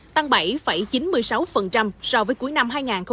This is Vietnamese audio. tăng bảy chín mươi sáu so với cuối năm hai nghìn hai mươi hai